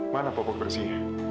mana popok bersih